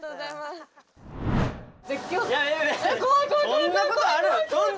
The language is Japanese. そんなことある？